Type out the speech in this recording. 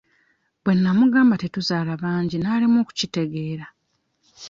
Bwe nnamugamba tetuzaala bangi n'alemwa okukitegeera.